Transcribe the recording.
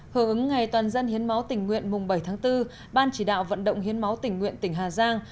hưởng ứng ngày toàn dân hiến máu tình nguyện mùng bảy tháng bốn ban chỉ đạo vận động hiến máu tình nguyện tỉnh hà giang